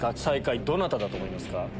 最下位どなただと思いますか？